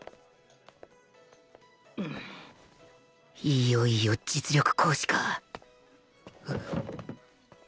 いよいよ実力行使か